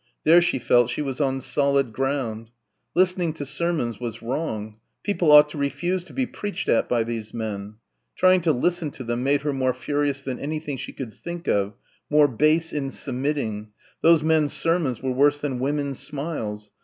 There she felt she was on solid ground. Listening to sermons was wrong ... people ought to refuse to be preached at by these men. Trying to listen to them made her more furious than anything she could think of, more base in submitting ... those men's sermons were worse than women's smiles